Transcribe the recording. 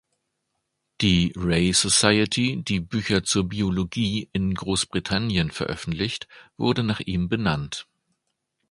Die Ray Society, die Bücher zur Biologie in Großbritannien veröffentlicht, wurde nach ihm benannt.